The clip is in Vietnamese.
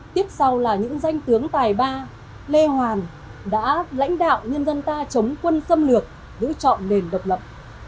tiếp sau là những danh tướng tài ba lê hoàn đã lãnh đạo nhân dân ta chống quân xâm lược giữ trọn nền độc lập